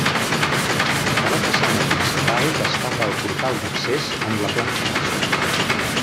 De la façana principal destaca el portal d'accés en la planta baixa.